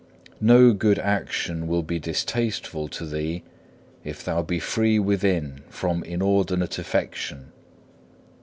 No good action will be distasteful to thee if thou be free within from inordinate affection.